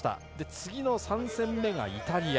次の３戦目がイタリア。